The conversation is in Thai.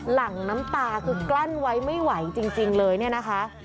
หลังน้ำตาคือกลั้นไว้ไม่ไหวจริงเลยเนี่ยนะคะ